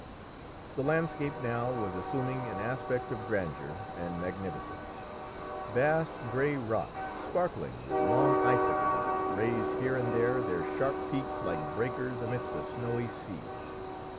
The landscape now was assuming an aspect of grandeur and magnificence. Vast grey rocks, sparkling with long icicles, raised here and there their sharp peaks like breakers amidst a snowy sea.